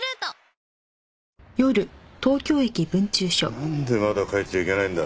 なんでまだ帰っちゃいけないんだ。